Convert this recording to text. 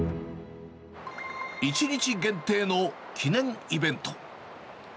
１日限定の記念イベント。